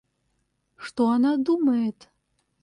Что она думает?